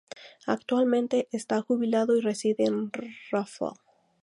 Actualmente está jubilado y reside en Rafal.